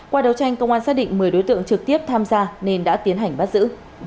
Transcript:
qua đấu tranh công an xác định một mươi đối tượng trực tiếp tham gia nên đã tiến hành bắt giữ